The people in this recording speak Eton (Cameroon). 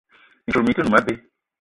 Mintchoul mi-te noum abé.